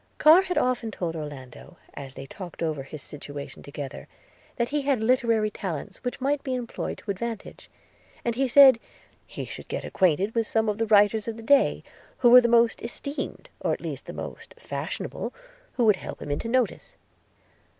Carr had often told Orlando, as they talked over his situation together, 'that he had literary talents, which might be employed to advantage;' and he said, 'he should get acquainted with some of the writers of the day, who were the most esteemed, or at least the most fashionable, who would help him into notice.'